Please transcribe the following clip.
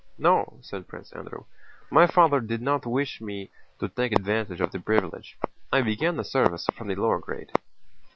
"No," said Prince Andrew, "my father did not wish me to take advantage of the privilege. I began the service from the lower grade."